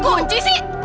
gapun kunci sih